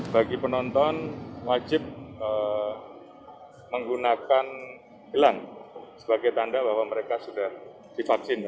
bagi penonton wajib menggunakan ilang sebagai tanda bahwa mereka sudah divaksin